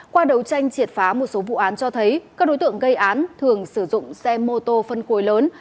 qua đấu tranh triệt phá một số vụ án cho thấy các đối tượng gây án thường sử dụng xe mô tô phân khối lớn